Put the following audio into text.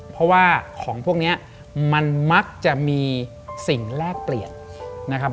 เพราะว่าของพวกนี้มันมักจะมีสิ่งแลกเปลี่ยนนะครับ